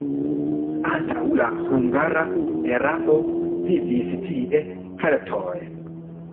Antaŭ la hungara erao vivis tie keltoj.